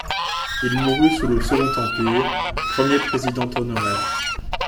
Il mourut sous le Second Empire, premier président honoraire.